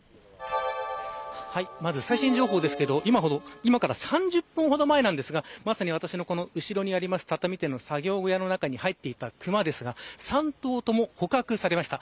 まず最新情報ですが今から３０分ほど前ですがこの後ろにある畳店の作業小屋の中に入っていった熊ですが３頭とも捕獲されました。